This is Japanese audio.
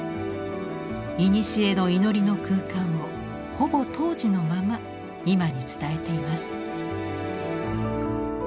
いにしえの祈りの空間をほぼ当時のまま今に伝えています。